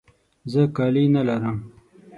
زه کالي نه لرم.